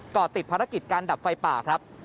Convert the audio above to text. ่อติดภารกิจการดับไฟป่าครับ